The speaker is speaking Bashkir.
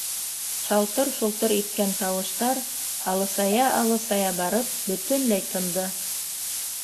Шалтыр-шолтор иткән тауыштар, алыҫая-алыҫая барып, бөтөнләй тынды.